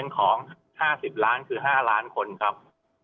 ของ๕๐ล้านคือ๕ล้านคนครับ